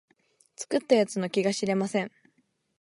作った奴の気が知れません